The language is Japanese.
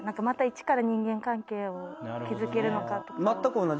また一から人間関係を築けるのかとか。